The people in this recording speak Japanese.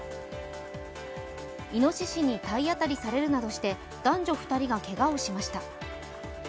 いのししに体当たりされるなどして男女２人がけがをしました。